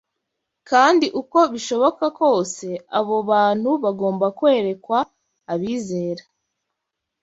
Kandi uko bishoboka kose, abo bantu bagomba kwerekwa abizera